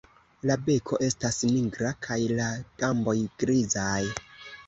La beko estas nigra kaj la gamboj grizaj.